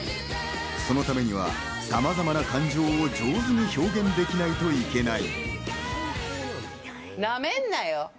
そのためにはさまざまな感情を上手に表現できないといけない。